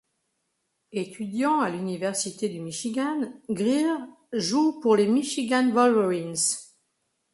Étudiant à l'Université du Michigan, Greer joue pour les Michigan Wolverines.